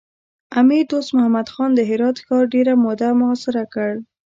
امیر دوست محمد خان د هرات ښار ډېره موده محاصره کړ.